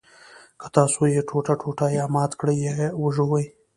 که تاسو یې ټوټه ټوټه یا مات کړئ یا وژوئ.